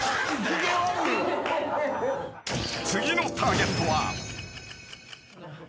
［次のターゲットは］